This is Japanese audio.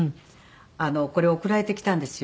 これ送られてきたんですよ。